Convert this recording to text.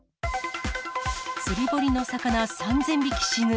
釣堀の魚３０００匹死ぬ。